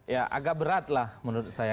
ya agak beratlah menurut saya